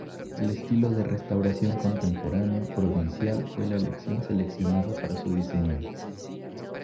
El estilo de Restauración contemporáneo, provincial, fue la elección seleccionada para su diseño.